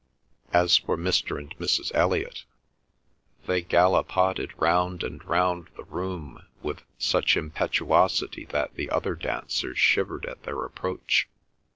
As for Mr. and Mrs. Elliot, they gallopaded round and round the room with such impetuosity that the other dancers shivered at their approach.